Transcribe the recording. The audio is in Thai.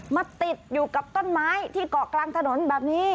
ติดอยู่กับต้นไม้ที่เกาะกลางถนนแบบนี้